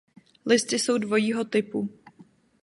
Listy jsou dvojího typu.